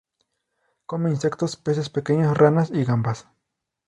Come insectos, peces pequeños, ranas y gambas.